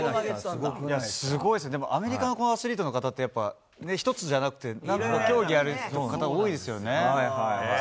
すごいですね、でも、アメリカのアスリートの方って、１つじゃなくって、何個か競技やる方多いですよね。